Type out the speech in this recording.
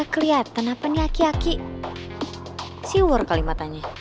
kelihatan apa nih aki aki siwur kalimatanya